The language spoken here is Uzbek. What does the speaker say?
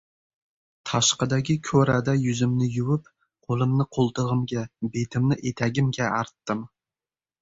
Tashqidagi ko‘rada yuzimni yuvib, qo‘limni qo‘ltig‘imga, betimni etagimga artdim